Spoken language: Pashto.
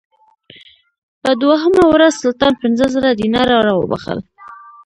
په دوهمه ورځ سلطان پنځه زره دیناره راوبخښل.